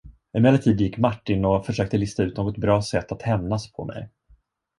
Emellertid gick Martin och försökte lista ut något bra sätt att hämnas på mig.